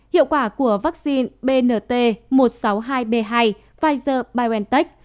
hiệu quả của vaccine bnt một trăm sáu mươi hai b hai pfizer biontech